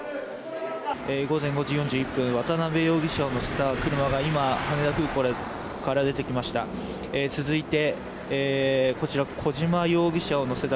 午前５時４１分渡辺容疑者を乗せた車が今羽田空港から出てきました。